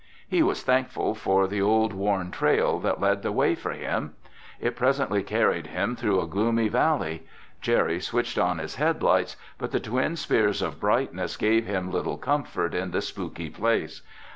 He was thankful for the old worn trail that led the way for him. It presently carried him through a gloomy valley. Jerry switched on his headlights, but the twin spears of brightness gave him little comfort in the spooky place.